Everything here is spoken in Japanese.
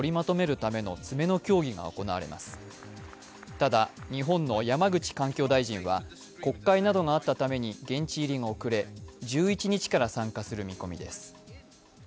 ただ、日本の山口環境大臣は国会などがあったために現地入りが遅れ、１１日から参加する見込みです。